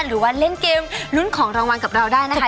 หรือว่าเล่นเกมลุ้นของรางวัลกับเราได้นะคะ